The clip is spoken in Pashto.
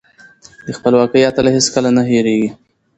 د خپلواکۍ اتل هېڅکله نه هيريږي.